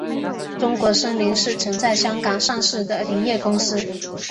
中国森林是曾在香港上市的林业公司。